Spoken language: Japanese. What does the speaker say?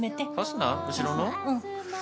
後ろの？